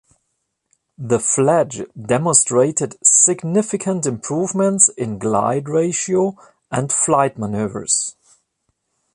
The "Fledge" demonstrated significant improvements in glide ratio and flight maneuvers.